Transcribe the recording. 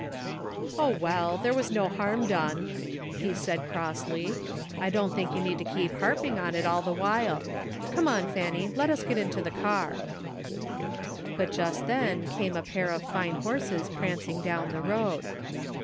" O, well ! there was no harm done," he said crossly. "I don't think you need to keep harp ing on it all the while. Come on, Fanny, let us get into the car." ''A PRETTY STATE OF THINGS.'' 47 But just then came a pair of fine horses pranc ing down the road.